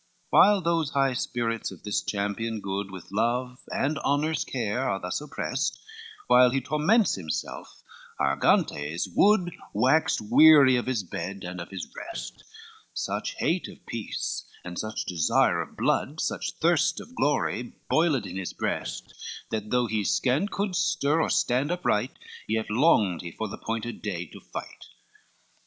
L While those high spirits of this champion good, With love and honor's care are thus oppressed, While he torments himself, Argantes wood, Waxed weary of his bed and of his rest, Such hate of peace, and such desire of blood, Such thirst of glory, boiled in his breast; That though he scant could stir or stand upright, Yet longed he for the appointed day to fight.